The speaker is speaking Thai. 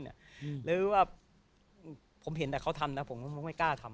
หรือว่าผมเห็นแต่เขาทำนะผมก็ไม่กล้าทำ